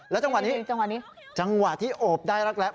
แล้วจังหวะนี้จังหวะที่โอบได้รักแร้